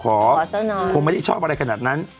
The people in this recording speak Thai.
ขอเส้นนอนคงไม่ได้ชอบอะไรขนาดนั้น